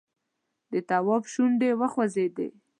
د تواب شونډې وخوځېدې!